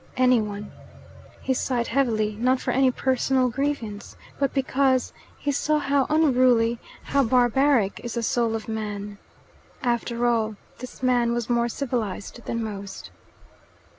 "Any one." He sighed heavily, not for any personal grievance, but because he saw how unruly, how barbaric, is the soul of man. After all, this man was more civilized than most.